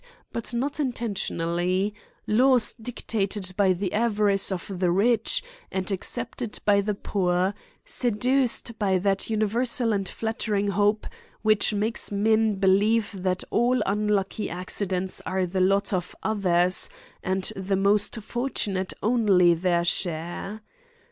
131 but not intentionally ; laws dictated by the ava rice of the rich, and accepted by the poor, sedu ced by that universal and flattering hope, which makes men believe that all unlucky accidents are the lot of others, and the most fortunate only their share.